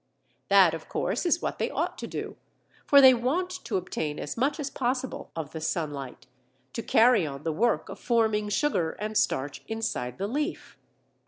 That, of course, is what they ought to do, for they want to obtain as much as possible of the sunlight to carry on the work of forming sugar and starch inside the leaf.